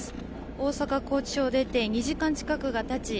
大阪拘置所を出て２時間近くがたち